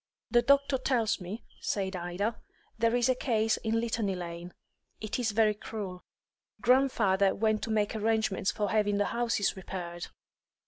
"The doctor tells me," said Ida, "there is a case in Litany Lane. It is very cruel. Grandfather went to make arrangements for having the houses repaired."